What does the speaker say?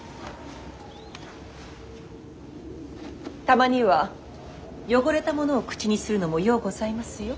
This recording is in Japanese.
たまには汚れたものを口にするのもようございますよ。